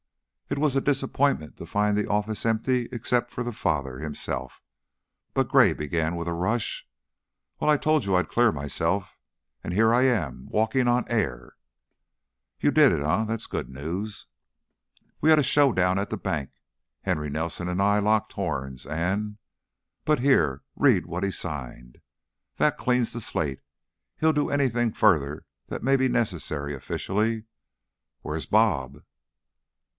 It was a disappointment to find the office empty, except for the father himself, but Gray began with a rush, "Well, I told you I'd clear myself, and here I am, walking on air." "You did it, eh? That's good news." "We had a show down at the bank. Henry Nelson and I locked horns and But here! Read what he signed. That cleans the slate. He'll do anything further that may be necessary, officially. Where's "Bob"?"